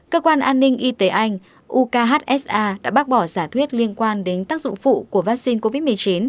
cơ quan an ninh y tế anh uksa đã bác bỏ giả thuyết liên quan đến tác dụng phụ của vaccine covid một mươi chín